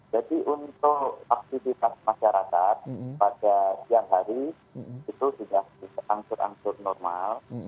jadi untuk aktivitas masyarakat pada siang hari itu sudah berangsur angsur normal